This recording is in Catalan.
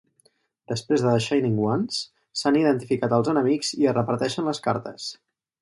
Després de "The Shining Ones", s'han identificat els enemics i es reparteixen les cartes.